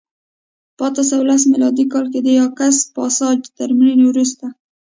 په اته سوه لس میلادي کال کې د یاکس پاساج تر مړینې وروسته